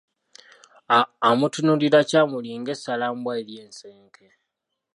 Amutunulira kyamuli ng’essalambwa ery’ensenke.